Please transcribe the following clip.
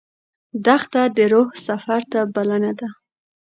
دښته د روح سفر ته بلنه ده.